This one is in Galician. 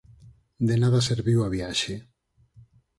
De nada serviu a viaxe.